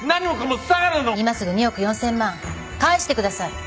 今すぐ２億４０００万返してください！